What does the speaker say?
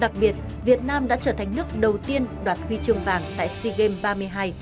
đặc biệt việt nam đã trở thành nước đầu tiên đoạt huy chương vàng tại sea games ba mươi hai